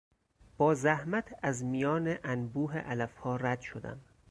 با زحمت از میان انبوه علفها رد شدم.